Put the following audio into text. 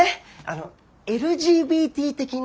あのＬＧＢＴ的な？